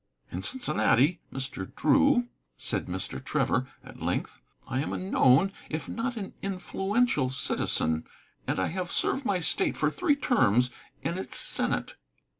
"In Cincinnati, Mr. Drew," said Mr. Trevor, at length, "I am a known, if not an influential, citizen; and I have served my state for three terms in its Senate."